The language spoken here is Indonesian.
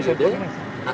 karena sudah berpenggunaan